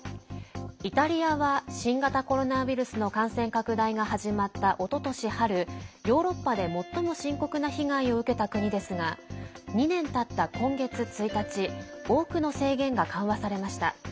イタリアは新型コロナウイルスの感染拡大が始まった、おととし春ヨーロッパで最も深刻な被害を受けた国ですが２年たった今月１日多くの制限が緩和されました。